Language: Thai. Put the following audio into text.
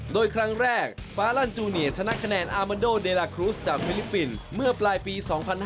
โดยครั้งแรกฟ้าลั่นจูเนียชนะคะแนนอามันโดเดลาครุสจากฟิลิปปินส์เมื่อปลายปี๒๕๕๙